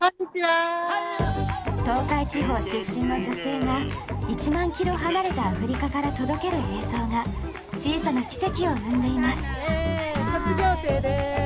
東海地方出身の女性が１万キロ離れたアフリカから届ける映像が小さな奇跡を生んでいます。